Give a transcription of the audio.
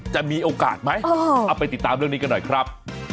จะมีโอกาสไหมเอาไปติดตามเรื่องนี้กันหน่อยครับ